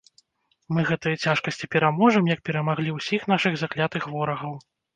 Мы гэтыя цяжкасці пераможам, як перамаглі ўсіх нашых заклятых ворагаў.